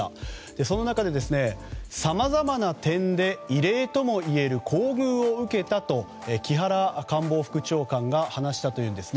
その中で、さまざまな点で異例ともいえる厚遇を受けたと木原官房副長官が話したというんですね。